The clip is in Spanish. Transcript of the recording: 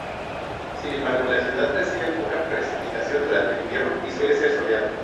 Sin embargo, la ciudad recibe poca precipitación durante el invierno y suele ser soleado.